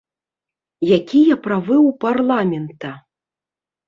Якія правы ў парламента?